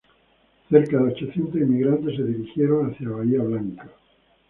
Cerca de ochocientos inmigrantes se dirigieron hacia Bahía Blanca.